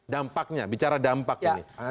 dampaknya bicara dampak ini